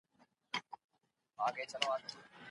پوه سړی کولای سي چي د کائناتو ډېر رازونه کشف کړي.